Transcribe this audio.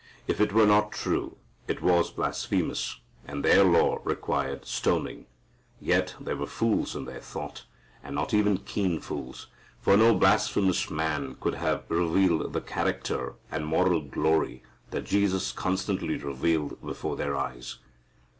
If it were not true, it was blasphemous, and their law required stoning. Yet they were fools in their thought, and not even keen fools. For no blasphemous man could have revealed the character and moral glory that Jesus constantly revealed before their eyes.